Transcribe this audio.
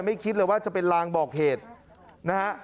คิดเลยว่าจะเป็นลางบอกเหตุนะฮะ